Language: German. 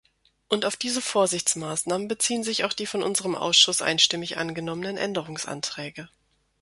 Und auf diese Vorsichtsmaßnahmen beziehen sich auch die von unserem Ausschuss einstimmig angenommenen Änderungsanträge.